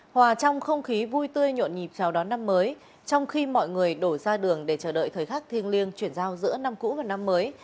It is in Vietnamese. hòa trong không khí vui tươi nhộn nhịp chào đón năm mới trong khi mọi người đổ ra đường để chờ đợi thời khắc thiêng liêng chuyển giao giữa năm cũ và năm mới